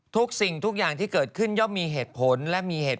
ทุกสิ่งทุกอย่างที่เกิดขึ้นยอมมีเหตุผล